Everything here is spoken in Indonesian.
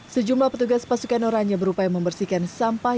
sejumlah petugas pasukan orangnya berupaya membersihkan sampah